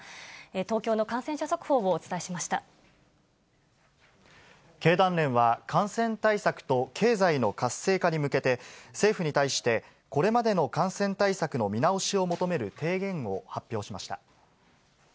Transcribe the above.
東京の感染者速報をお伝えしまし経団連は、感染対策と経済の活性化に向けて、政府に対して、これまでの感染対策の見直しを求める提言を発表しました。